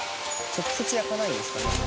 直接焼かないんですかね？